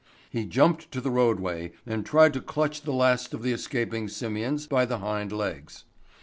He jumped to the roadway and tried to clutch the last of the escaping simians by the hind legs.